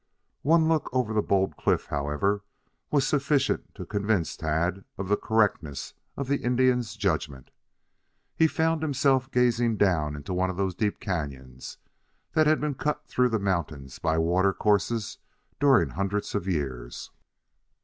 One look over the bold cliff, however, was sufficient to convince Tad of the correctness of the Indian's judgment. He found himself gazing down into one of those deep canyons that had been cut through the mountains by water courses during hundreds of years.